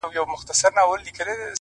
• د لستوڼي مار ,